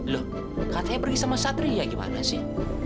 loh katanya pergi sama satri ya gimana sih